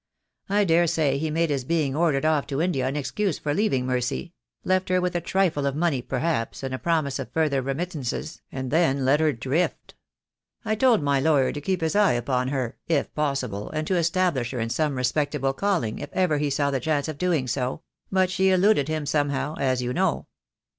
I dare say he made his being ordered off to India an excuse for leaving Mercy — left her with a trifle of money perhaps, and a promise of further remittances, and then let her drift. I told my lawyer to keep his eye upon her, if possible, and to establish her in some respectable calling if ever he saw the chance of doing so; but she eluded him somehow, as you know."